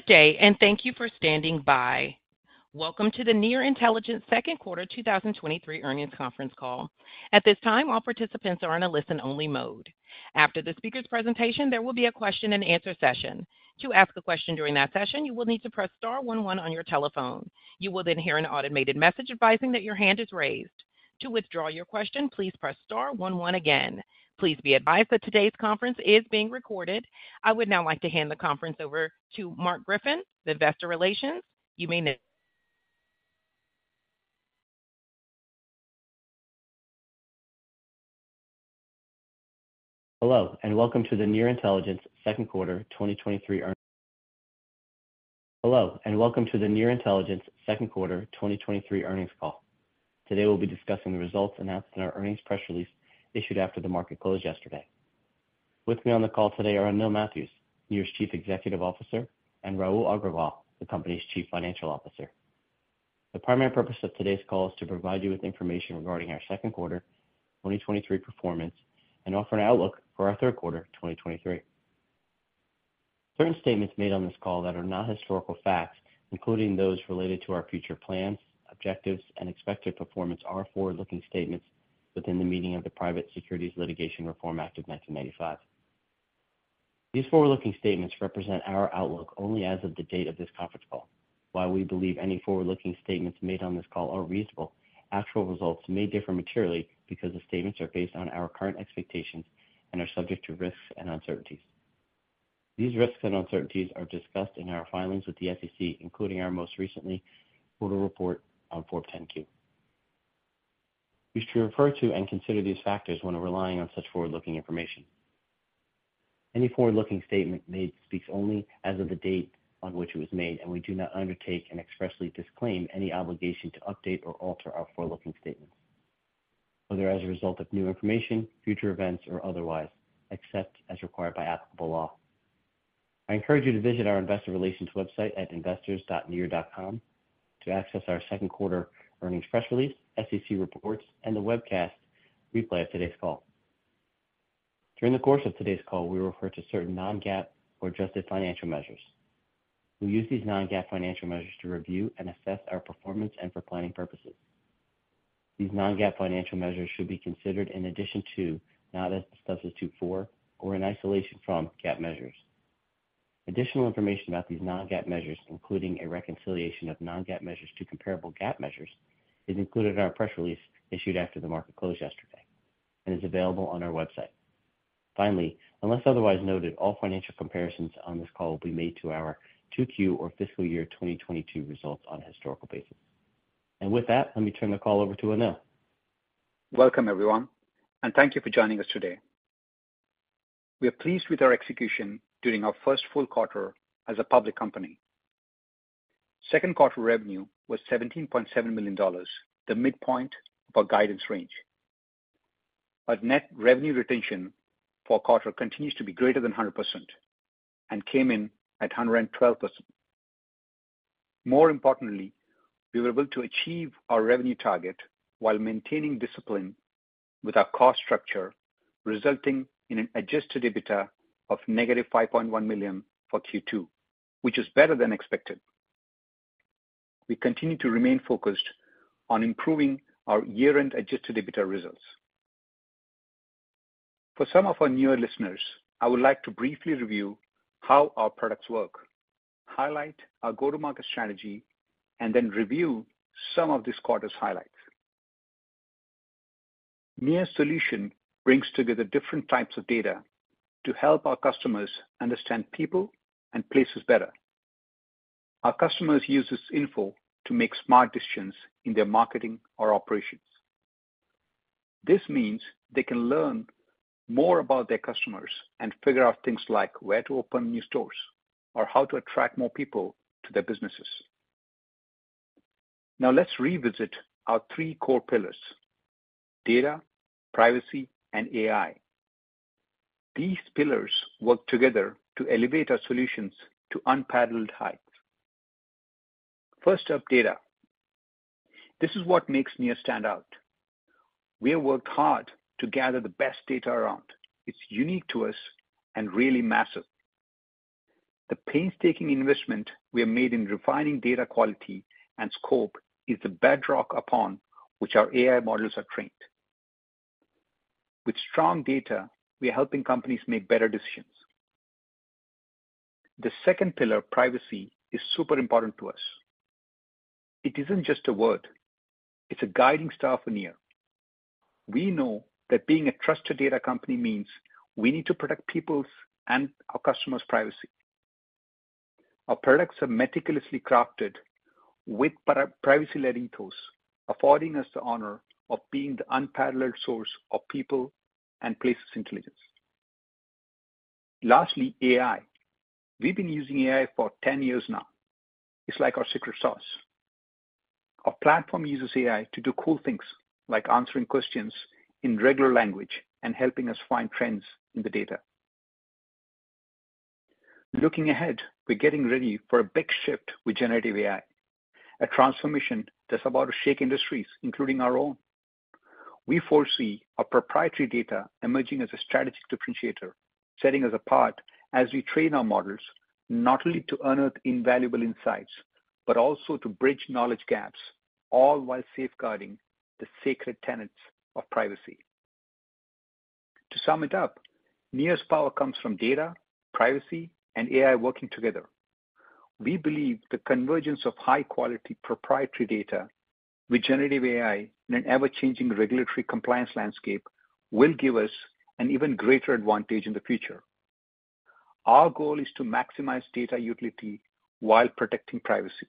Good day, and thank you for standing by. Welcome to the Near Intelligence Q2 2023 earnings conference call. At this time, all participants are in a listen-only mode. After the speaker's presentation, there will be a question and answer session. To ask a question during that session, you will need to press star one-one on your telephone. You will then hear an automated message advising that your hand is raised. To withdraw your question, please press star one-oneagain. Please be advised that today's conference is being recorded. I would now like to hand the conference over to Marc Griffin, the Investor Relations. You may now. Hello, and welcome to the Near Intelligence Q2 2023 earnings call. Today, we'll be discussing the results announced in our earnings press release, issued after the market closed yesterday. With me on the call today are Anil Mathews, Near's Chief Executive Officer, and Rahul Agrawal, the company's Chief Financial Officer. The primary purpose of today's call is to provide you with information regarding our Q2 2023 performance and offer an outlook for our Q3 2023. Certain statements made on this call that are not historical facts, including those related to our future plans, objectives, and expected performance, are forward-looking statements within the meaning of the Private Securities Litigation Reform Act of 1995. These forward-looking statements represent our outlook only as of the date of this conference call. While we believe any forward-looking statements made on this call are reasonable, actual results may differ materially because the statements are based on our current expectations and are subject to risks and uncertainties. These risks and uncertainties are discussed in our filings with the SEC, including our most recently quarterly report on Form 10-Q. You should refer to and consider these factors when relying on such forward-looking information. Any forward-looking statement made speaks only as of the date on which it was made, and we do not undertake and expressly disclaim any obligation to update or alter our forward-looking statements, whether as a result of new information, future events, or otherwise, except as required by applicable law. I encourage you to visit our investor relations website at investors.near.com to access our Q2 earnings press release, SEC reports, and the webcast replay of today's call. During the course of today's call, we refer to certain non-GAAP or adjusted financial measures. We use these non-GAAP financial measures to review and assess our performance and for planning purposes. These non-GAAP financial measures should be considered in addition to, not as a substitute for, or in isolation from GAAP measures. Additional information about these non-GAAP measures, including a reconciliation of non-GAAP measures to comparable GAAP measures, is included in our press release issued after the market closed yesterday and is available on our website. Finally, unless otherwise noted, all financial comparisons on this call will be made to our 2Q or FY 2022 results on a historical basis. With that, let me turn the call over to Anil. Welcome, everyone, and thank you for joining us today. We are pleased with our execution during our first full quarter as a public company. Q2 revenue was $17.7 million, the midpoint of our guidance range. Net revenue retention for quarter continues to be greater than 100% and came in at 112%. More importantly, we were able to achieve our revenue target while maintaining discipline with our cost structure, resulting in an Adjusted EBITDA of negative $5.1 million for Q2, which is better than expected. We continue to remain focused on improving our year-end Adjusted EBITDA results. For some of our newer listeners, I would like to briefly review how our products work, highlight our go-to-market strategy, and then review some of this quarter's highlights. Near solution brings together different types of data to help our customers understand people and places better. Our customers use this info to make smart decisions in their marketing or operations. This means they can learn more about their customers and figure out things like where to open new stores or how to attract more people to their businesses. Now, let's revisit our three core pillars: data, privacy, and AI. These pillars work together to elevate our solutions to unparalleled heights. First up, data. This is what makes Near stand out. We have worked hard to gather the best data around. It's unique to us and really massive. The painstaking investment we have made in refining data quality and scope is the bedrock upon which our AI models are trained. With strong data, we are helping companies make better decisions. The second pillar, privacy, is super important to us. It isn't just a word, it's a guiding star for Near. We know that being a trusted data company means we need to protect people's and our customers' privacy. Our products are meticulously crafted with privacy-leading tools, affording us the honor of being the unparalleled source of people and places intelligence. Lastly, AI. We've been using AI for 10 years now. It's like our secret sauce. Our platform uses AI to do cool things like answering questions in regular language and helping us find trends in the data. Looking ahead, we're getting ready for a big shift with generative AI, a transformation that's about to shake industries, including our own. We foresee our proprietary data emerging as a strategic differentiator, setting us apart as we train our models, not only to unearth invaluable insights, but also to bridge knowledge gaps, all while safeguarding the sacred tenets of privacy. To sum it up, Near's power comes from data, privacy, and AI working together. We believe the convergence of high-quality proprietary data with generative AI, in an ever-changing regulatory compliance landscape, will give us an even greater advantage in the future. Our goal is to maximize data utility while protecting privacy.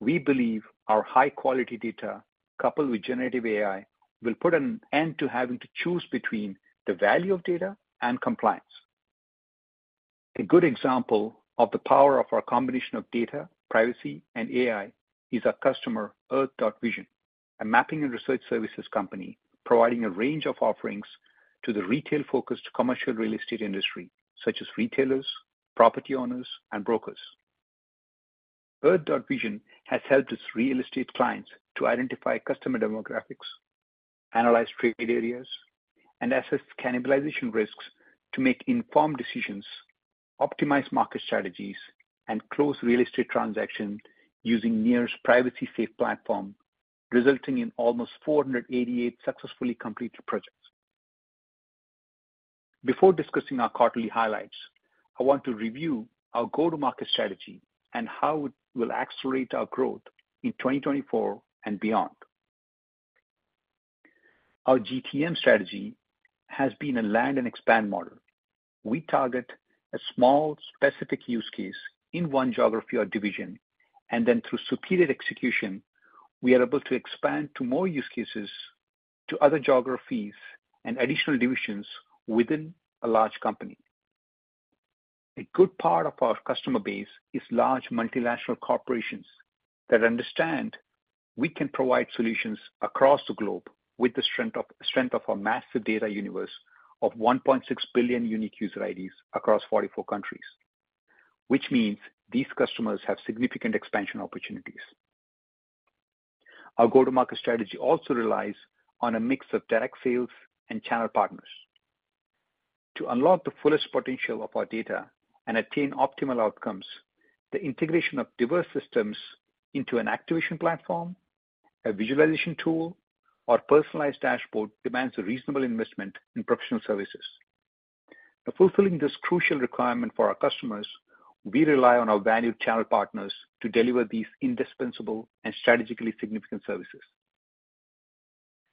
We believe our high-quality data, coupled with generative AI, will put an end to having to choose between the value of data and compliance. A good example of the power of our combination of data, privacy, and AI is our customer, Earthvision, a mapping and research services company, providing a range of offerings to the retail-focused commercial real estate industry, such as retailers, property owners, and brokers. Earthvision has helped its real estate clients to identify customer demographics, analyze trade areas, and assess cannibalization risks to make informed decisions, optimize market strategies, and close real estate transactions using Near's privacy-safe platform, resulting in almost 488 successfully completed projects. Before discussing our quarterly highlights, I want to review our go-to-market strategy and how it will accelerate our growth in 2024 and beyond. Our GTM strategy has been a land-and-expand model. We target a small, specific use case in one geography or division, and then through superior execution, we are able to expand to more use cases, to other geographies, and additional divisions within a large company. A good part of our customer base is large, multinational corporations that understand we can provide solutions across the globe with the strength of our massive data universe of 1.6 billion unique user IDs across 44 countries, which means these customers have significant expansion opportunities. Our go-to-market strategy also relies on a mix of direct sales and channel partners. To unlock the fullest potential of our data and attain optimal outcomes, the integration of diverse systems into an activation platform, a visualization tool, or personalized dashboard demands a reasonable investment in professional services. By fulfilling this crucial requirement for our customers, we rely on our valued channel partners to deliver these indispensable and strategically significant services.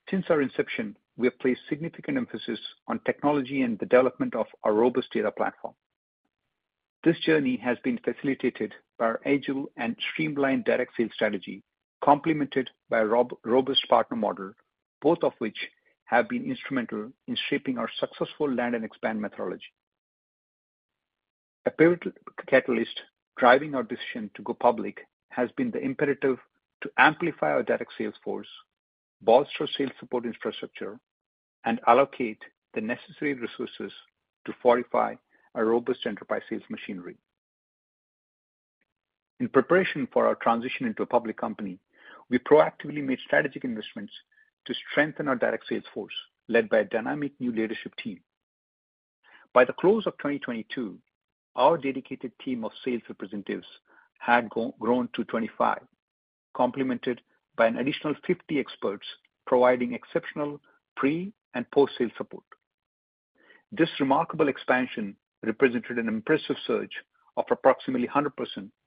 Since our inception, we have placed significant emphasis on technology and the development of our robust data platform. This journey has been facilitated by our agile and streamlined direct sales strategy, complemented by a robust partner model, both of which have been instrumental in shaping our successful land-and-expand methodology. A pivotal catalyst driving our decision to go public has been the imperative to amplify our direct sales force, bolster sales support infrastructure, and allocate the necessary resources to fortify a robust enterprise sales machinery. In preparation for our transition into a public company, we proactively made strategic investments to strengthen our direct sales force, led by a dynamic new leadership team. By the close of 2022, our dedicated team of sales representatives had grown to 25, complemented by an additional 50 experts, providing exceptional pre- and post-sales support. This remarkable expansion represented an impressive surge of approximately 100%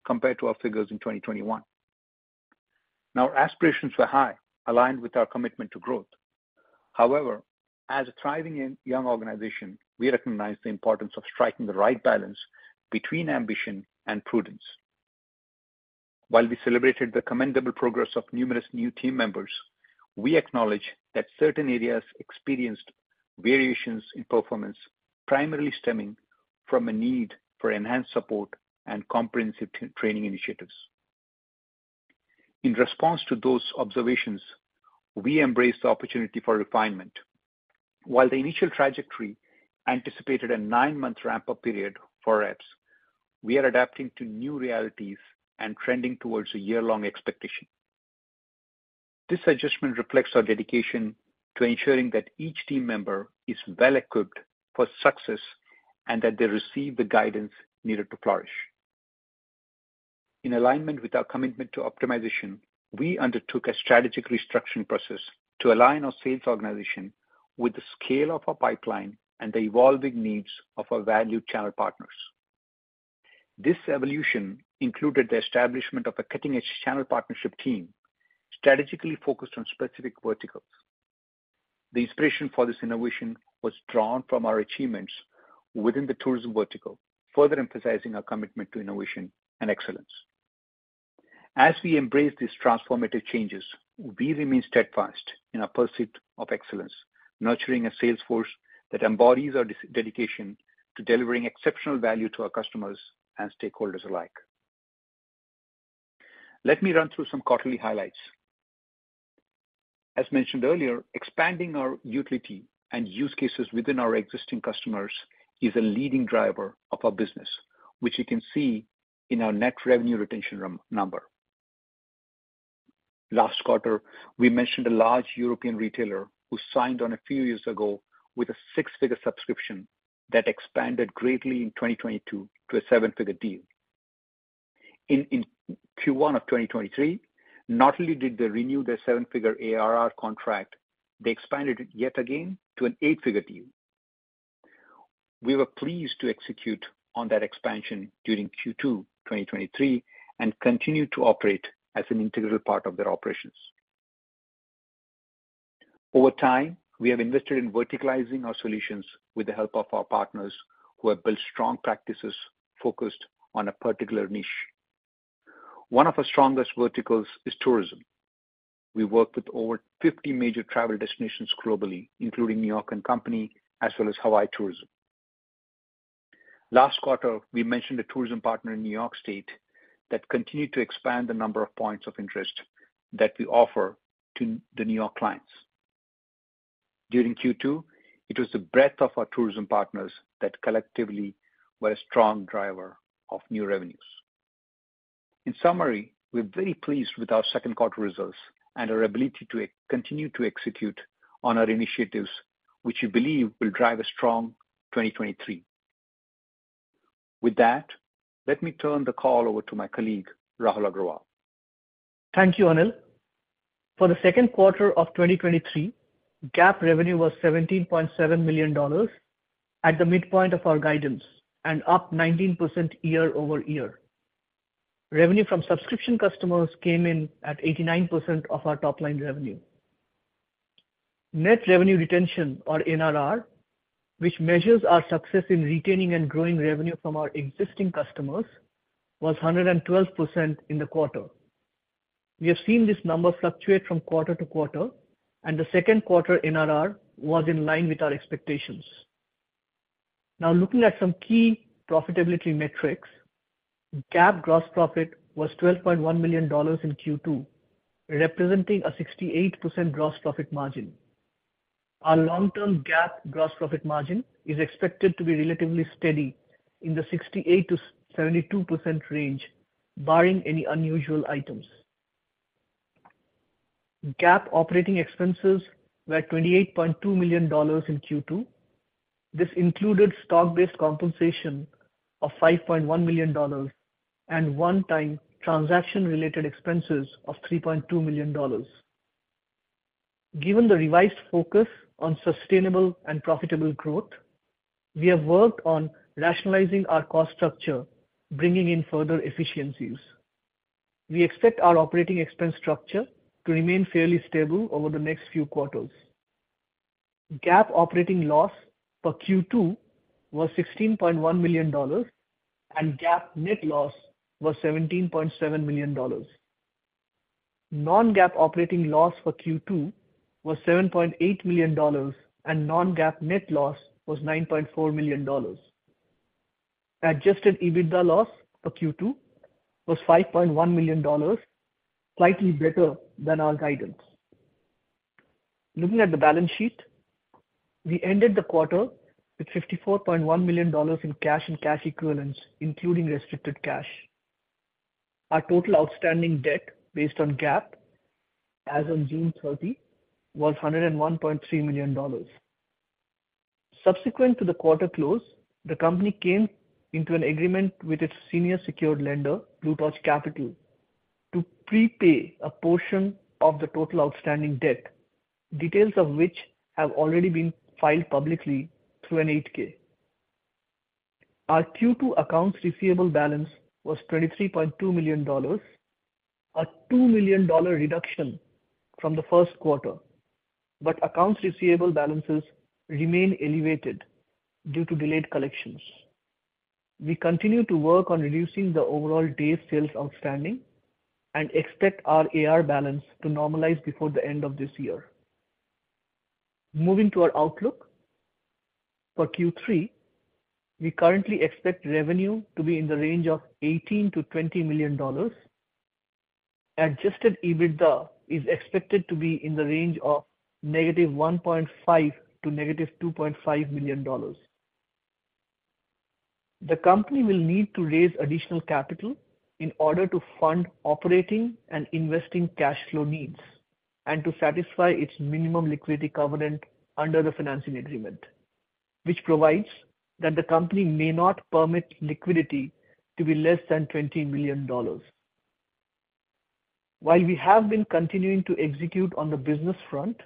compared to our figures in 2021. Now, our aspirations were high, aligned with our commitment to growth. However, as a thriving and young organization, we recognized the importance of striking the right balance between ambition and prudence. While we celebrated the commendable progress of numerous new team members, we acknowledge that certain areas experienced variations in performance, primarily stemming from a need for enhanced support and comprehensive training initiatives. In response to those observations, we embrace the opportunity for refinement. While the initial trajectory anticipated a nine-month ramp-up period for reps, we are adapting to new realities and trending towards a one-year-long expectation. This adjustment reflects our dedication to ensuring that each team member is well-equipped for success and that they receive the guidance needed to flourish. In alignment with our commitment to optimization, we undertook a strategic restructuring process to align our sales organization with the scale of our pipeline and the evolving needs of our valued channel partners. This evolution included the establishment of a cutting-edge channel partnership team, strategically focused on specific verticals. The inspiration for this innovation was drawn from our achievements within the tourism vertical, further emphasizing our commitment to innovation and excellence. As we embrace these transformative changes, we remain steadfast in our pursuit of excellence, nurturing a sales force that embodies our dedication to delivering exceptional value to our customers and stakeholders alike. Let me run through some quarterly highlights. As mentioned earlier, expanding our utility and use cases within our existing customers is a leading driver of our business, which you can see in our net revenue retention number. Last quarter, we mentioned a large European retailer who signed on a few years ago with a six-figure subscription that expanded greatly in 2022 to a seven-figure deal. In Q1 of 2023, not only did they renew their seven-figure ARR contract, they expanded it yet again to an eight-figure deal. We were pleased to execute on that expansion during Q2 2023 and continue to operate as an integral part of their operations. Over time, we have invested in verticalizing our solutions with the help of our partners, who have built strong practices focused on a particular niche. One of our strongest verticals is tourism. We work with over 50 major travel destinations globally, including NYC & Company, as well as Hawaii Tourism. Last quarter, we mentioned a tourism partner in New York State that continued to expand the number of points of interest that we offer to the New York clients. During Q2, it was the breadth of our tourism partners that collectively were a strong driver of new revenues. In summary, we're very pleased with our Q2 results and our ability to continue to execute on our initiatives, which we believe will drive a strong 2023. Let me turn the call over to my colleague, Rahul Agrawal. Thank you, Anil. For the Q2 of 2023, GAAP revenue was $17.7 million, at the midpoint of our guidance and up 19% year-over-year. Revenue from subscription customers came in at 89% of our top-line revenue. Net revenue retention, or NRR, which measures our success in retaining and growing revenue from our existing customers, was 112% in the quarter. We have seen this number fluctuate from quarter to quarter, and the Q2 NRR was in line with our expectations. Looking at some key profitability metrics. GAAP gross profit was $12.1 million in Q2, representing a 68% gross profit margin. Our long-term GAAP gross profit margin is expected to be relatively steady in the 68-72% range, barring any unusual items. GAAP operating expenses were $28.2 million in Q2. This included stock-based compensation of $5.1 million and one-time transaction-related expenses of $3.2 million. Given the revised focus on sustainable and profitable growth, we have worked on rationalizing our cost structure, bringing in further efficiencies. We expect our operating expense structure to remain fairly stable over the next few quarters. GAAP operating loss for Q2 was $16.1 million, and GAAP net loss was $17.7 million. non-GAAP operating loss for Q2 was $7.8 million, and non-GAAP net loss was $9.4 million. Adjusted EBITDA loss for Q2 was $5.1 million, slightly better than our guidance. Looking at the balance sheet, we ended the quarter with $54.1 million in cash and cash equivalents, including restricted cash. Our total outstanding debt, based on GAAP as of June 30, was $101.3 million. Subsequent to the quarter close, the company came into an agreement with its senior secured lender, Blue Torch Capital, to prepay a portion of the total outstanding debt, details of which have already been filed publicly through an 8-K. Our Q2 accounts receivable balance was $23.2 million, a $2 million reduction from the Q1. Accounts receivable balances remain elevated due to delayed collections. We continue to work on reducing the overall days sales outstanding and expect our AR balance to normalize before the end of this year. Moving to our outlook. For Q3, we currently expect revenue to be in the range of $18 million-20 million. Adjusted EBITDA is expected to be in the range of -$1.5 million - -2.5 million. The company will need to raise additional capital in order to fund operating and investing cash flow needs and to satisfy its minimum liquidity covenant under the financing agreement, which provides that the company may not permit liquidity to be less than $20 million. While we have been continuing to execute on the business front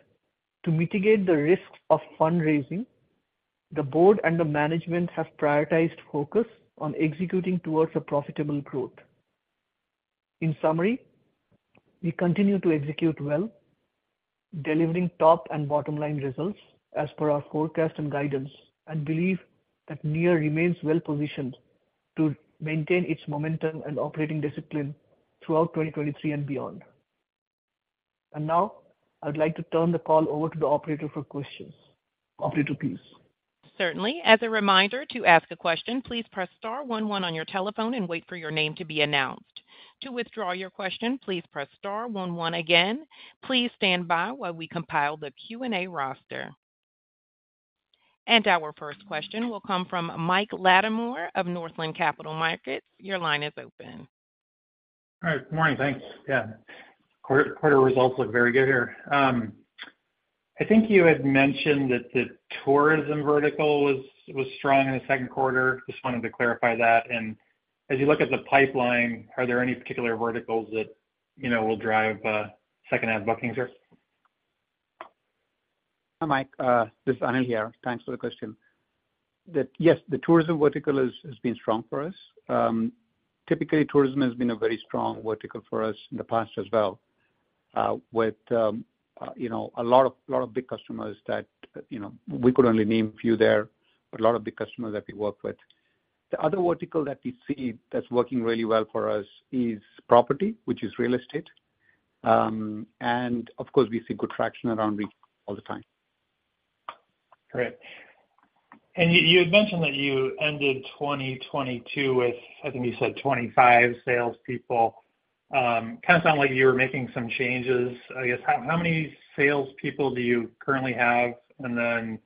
to mitigate the risks of fundraising, the board and the management have prioritized focus on executing towards a profitable growth. In summary, we continue to execute well, delivering top and bottom-line results as per our forecast and guidance, and believe that Near remains well positioned to maintain its momentum and operating discipline throughout 2023 and beyond. Now I'd like to turn the call over to the operator for questions. Operator, please. Certainly. As a reminder, to ask a question, please press star one-one on your telephone and wait for your name to be announced. To withdraw your question, please press star one-one again. Please stand by while we compile the Q&A roster. Our first question will come from Michael Latimore of Northland Capital Markets. Your line is open. All right. Good morning, thanks. Yeah. Quarter, quarter results look very good here. I think you had mentioned that the tourism vertical was, was strong in the Q2. Just wanted to clarify that. As you look at the pipeline, are there any particular verticals that, you know, will drive second half bookings here? Hi, Mike, this is Anil here. Thanks for the question. Yes, the tourism vertical is, has been strong for us. Typically, tourism has been a very strong vertical for us in the past as well, with, you know, a lot of, lot of big customers that, you know, we could only name a few there, but a lot of big customers that we work with. The other vertical that we see that's working really well for us is property, which is real estate. Of course, we see good traction around retail all the time. Great. You, you had mentioned that you ended 2022 with, I think you said 25 salespeople. Kind of sound like you were making some changes. I guess, how, how many salespeople do you currently have? Then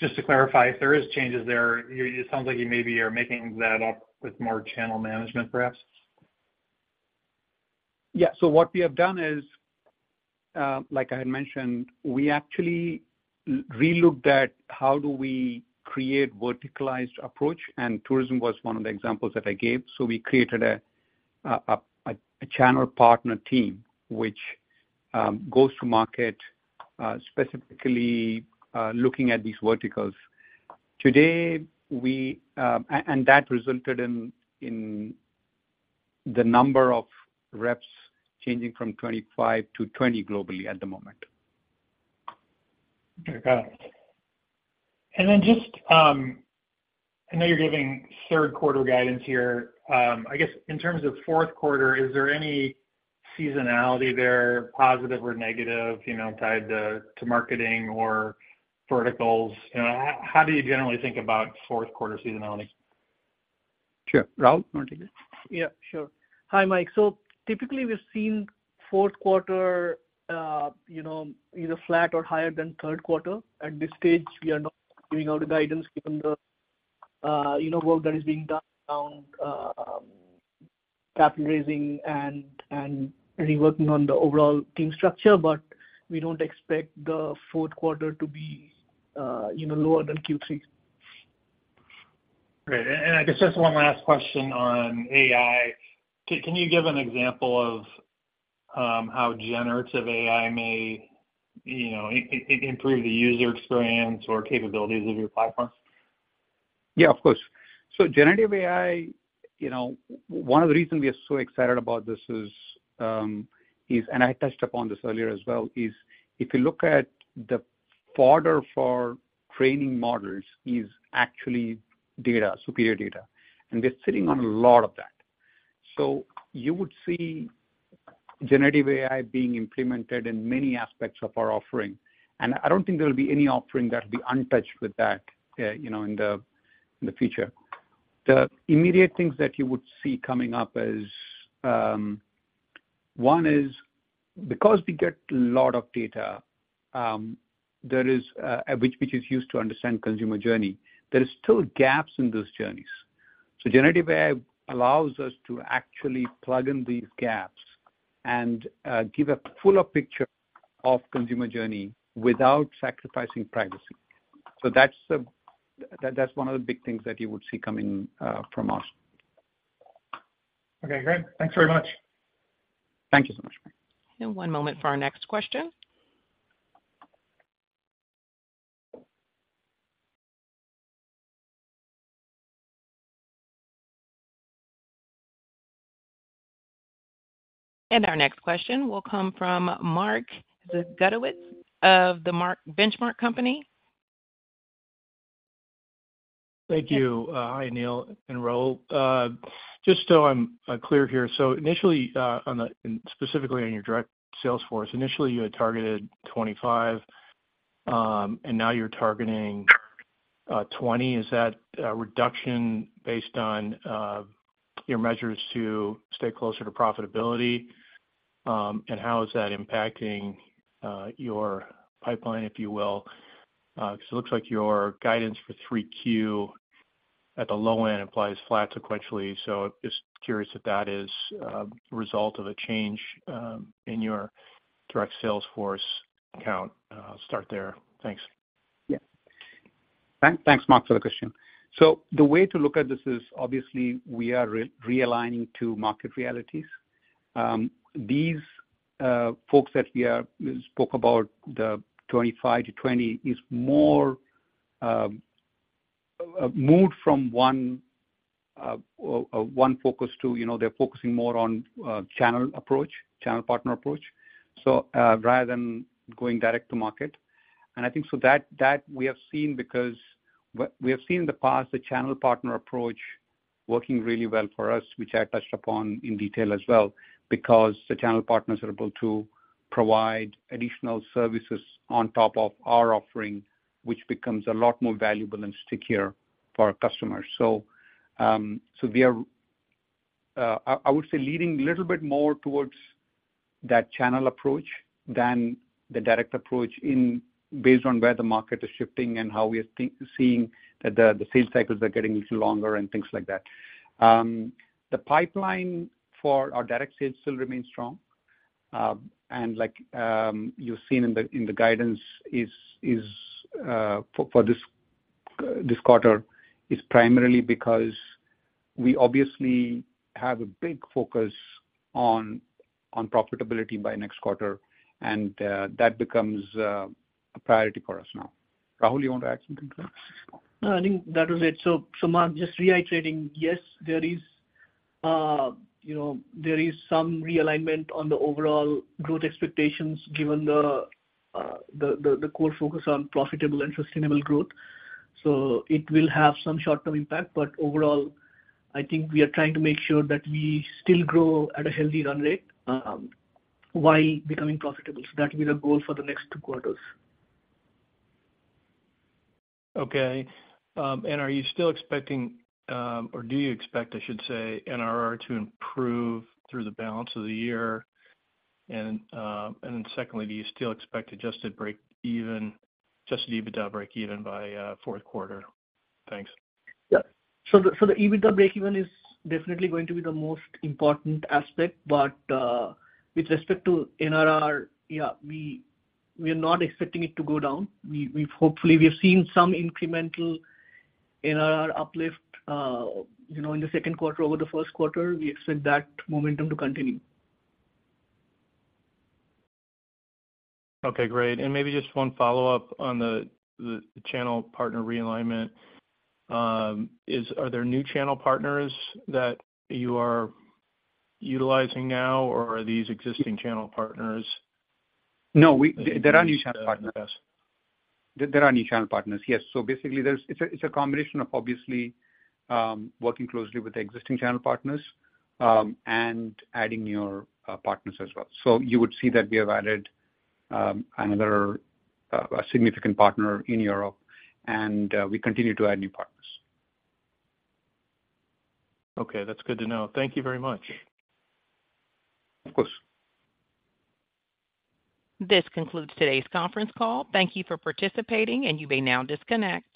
just to clarify, if there is changes there, it sounds like you maybe are making that up with more channel management, perhaps. Yeah. What we have done is, like I had mentioned, we actually relooked at how do we create verticalized approach, and tourism was one of the examples that I gave. We created a channel partner team, which goes to market specifically looking at these verticals. Today, we, and that resulted in the number of reps changing from 25 to 20 globally at the moment. Okay, got it. Then just, I know you're giving Q3 guidance here. I guess, in terms of Q4, is there any seasonality there, positive or negative, you know, tied to, to marketing or verticals? You know, how do you generally think about Q4 seasonality? Sure. Rahul, you want to take it? Yeah, sure. Hi, Mike. Typically, we've seen Q4, you know, either flat or higher than Q3. At this stage, we are not giving out a guidance given the, you know, work that is being done around, capital raising and, and reworking on the overall team structure. We don't expect the Q4 to be, you know, lower than Q3. Great. And I guess just one last question on AI. Can you give an example of how generative AI may, you know, improve the user experience or capabilities of your platform? Yeah, of course. generative AI, you know, one of the reasons we are so excited about this is, and I touched upon this earlier as well, is if you look at the fodder for training models is actually data, superior data, and we're sitting on a lot of that. You would see generative AI being implemented in many aspects of our offering, and I don't think there will be any offering that will be untouched with that, you know, in the, in the future. The immediate things that you would see coming up is, one is because we get a lot of data, there is, which, which is used to understand consumer journey, there is still gaps in those journeys. Generative AI allows us to actually plug in these gaps and give a fuller picture of consumer journey without sacrificing privacy. That's the, that's one of the big things that you would see coming from us. Okay, great. Thanks very much. Thank you so much, Mike. One moment for our next question. Our next question will come from Mark Zgutowicz of The Benchmark Company. Thank you. Hi, Anil and Rahul. Just so I'm clear here, initially on the... Specifically on your direct sales force, initially you had targeted 25, and now you're targeting 20. Is that reduction based on your measures to stay closer to profitability? How is that impacting your pipeline, if you will? Because it looks like your guidance for 3Q at the low end implies flat sequentially. Just curious if that is result of a change in your direct sales force count. I'll start there. Thanks. Yeah. Thanks, Mark, for the question. The way to look at this is obviously we are realigning to market realities. These folks that we spoke about, the 25 to 20, is more moved from one focus to, you know, they're focusing more on channel approach, channel partner approach, so rather than going direct to market. I think so that, that we have seen because we have seen in the past, the channel partner approach working really well for us, which I touched upon in detail as well, because the channel partners are able to provide additional services on top of our offering, which becomes a lot more valuable and stickier for our customers. we are-... I, I would say leading a little bit more towards that channel approach than the direct approach in, based on where the market is shifting and how we are seeing that the, the sales cycles are getting a little longer and things like that. The pipeline for our direct sales still remains strong. Like you've seen in the guidance is for this quarter, is primarily because we obviously have a big focus on profitability by next quarter, and that becomes a priority for us now. Rahul, you want to add something to that? No, I think that was it. Mark, just reiterating, yes, there is, you know, there is some realignment on the overall growth expectations given the core focus on profitable and sustainable growth. It will have some short-term impact, but overall, I think we are trying to make sure that we still grow at a healthy run rate while becoming profitable. That will be the goal for the next two quarters. Okay. Are you still expecting, or do you expect, I should say, NRR to improve through the balance of the year? Secondly, do you still expect adjusted break even, Adjusted EBITDA break even by Q4? Thanks. Yeah. The EBITDA break even is definitely going to be the most important aspect. With respect to NRR, yeah, we, we are not expecting it to go down. We, we've hopefully, we have seen some incremental NRR uplift, you know, in the Q2. Over the Q1, we expect that momentum to continue. Okay, great. Maybe just one follow-up on the, the channel partner realignment. Are there new channel partners that you are utilizing now, or are these existing channel partners? No, there are new channel partners. There, there are new channel partners, yes. Basically, there's it's a, it's a combination of obviously, working closely with the existing channel partners, and adding new partners as well. You would see that we have added another a significant partner in Europe, and we continue to add new partners. Okay, that's good to know. Thank you very much. Of course. This concludes today's conference call. Thank you for participating. You may now disconnect.